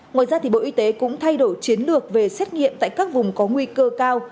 ngoài ra bộ y tế cũng thay đổi chiến lược về xét nghiệm tại các vùng có nguy cơ cao